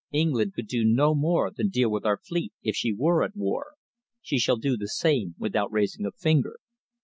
England could do no more than deal with our fleet if she were at war. She shall do the same without raising a finger.'